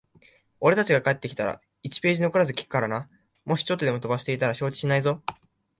俺たちが帰ってきたら、一ページ残らず聞くからな。もしちょっとでも飛ばしていたら承知しないぞ。